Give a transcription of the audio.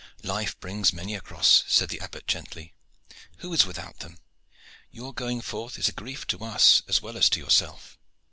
"Life brings many a cross," said the Abbot gently. "Who is without them? Your going forth is a grief to us as well as to yourself.